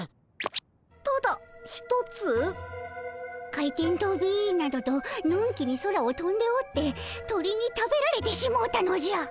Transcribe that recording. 回転とびなどとのんきに空をとんでおって鳥に食べられてしもうたのじゃ。